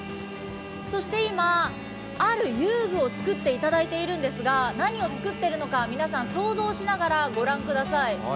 そして今ある遊具を作っていただいているんですが何を作っているのか皆さん想像しながらご覧ください。